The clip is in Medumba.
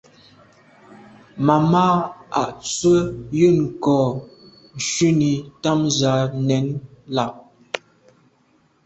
Màmá à’ tswə́ yə́n kɔ̌ shúnì támzə̄ à nɛ̌n lá’.